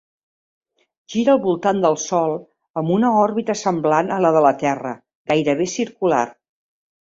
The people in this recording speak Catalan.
Gira al voltant del sol amb una òrbita semblant a la de la Terra, gairebé circular.